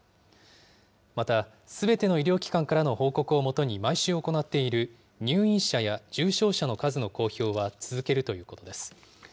また、すべての医療機関からの報告をもとに、毎週行っている入院者や重症者の数の公表は続けるということです。